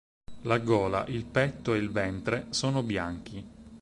La gola, il petto e il ventre sono bianchi.